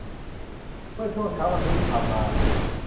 เมื่อช่วงเช้าวันพุธที่ผ่านมา